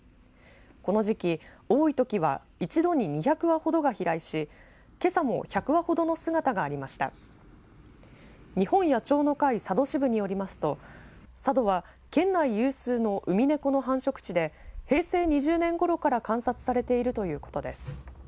この時期、多いときは一度に２００羽ほどが飛来しけさも１００羽ほどの姿がありました日本野鳥の会佐渡支部によりますと佐渡は、県内有数のウミネコの繁殖地で平成２０年ごろから観察されているということです。